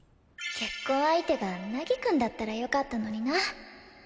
結婚相手が凪くんだったらよかったのにな。